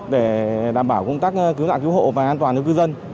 để đảm bảo công tác cứu nạn cứu hộ và an toàn cho cư dân